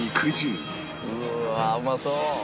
うわあうまそう！